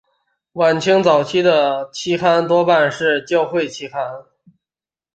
晚清早期的期刊多半是教会期刊。